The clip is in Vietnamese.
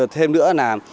thêm nữa là